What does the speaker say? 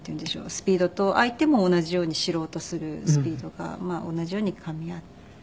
スピードと相手も同じように知ろうとするスピードが同じようにかみ合って。